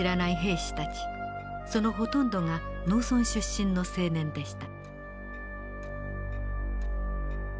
そのほとんどが農村出身の青年でした。